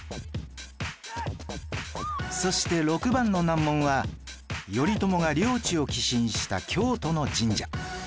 そして６番の難問は頼朝が領地を寄進した京都の神社